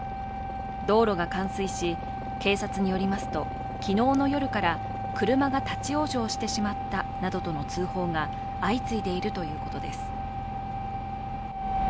道路が冠水し警察によりますと昨日の夜から車が立往生してしまったなどとの通報が相次いでいるとのことです。